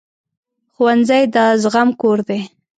ښوونځی د زغم کور دی